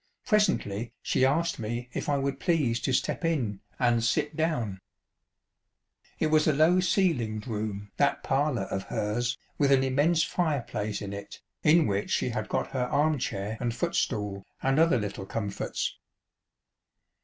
Presently she asked me if I would please to step in and sit down. It was a low ceilinged room, that parlour of hers, with an immense fire place in it, in which she had got her arm chair and foot stool, and other little comforts.